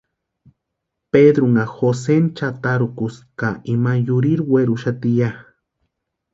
Pedrunha Joseni chʼatarhukusti ka ima yurhiri werhuxati ya.